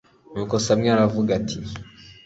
nuko samweli aravuga ati